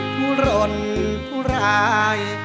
ผู้หล่นผู้ร้าย